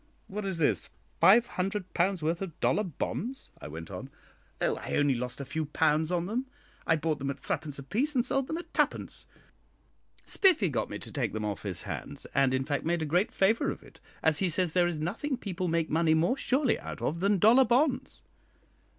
"What is this? five hundred pounds' worth of dollar bonds?" I went on. "Oh, I only lost a few pounds on them. I bought them at threepence apiece and sold them at twopence. Spiffy got me to take them off his hands, and, in fact, made a great favour of it, as he says there is nothing people make money more surely out of than dollar bonds."